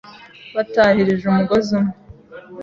Batahirije umugozi umwe